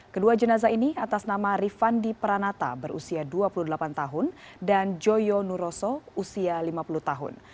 kedua jenazah ini atas nama rifandi pranata berusia dua puluh delapan tahun dan joyo nuroso usia lima puluh tahun